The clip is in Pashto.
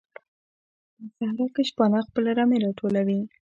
په صحراء کې شپانه خپل رمې راټولوي.